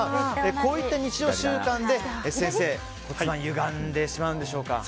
こういった日常習慣で先生、骨盤がゆがんでしまうんでしょうか。